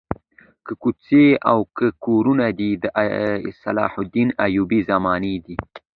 که کوڅې او که کورونه دي د صلاح الدین ایوبي زمانې دي.